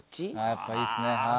やっぱいいっすね。